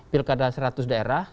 pilkada seratus daerah